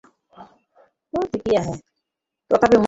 তথাপি মম সর্বস্ব রাম কমললোচনঃ।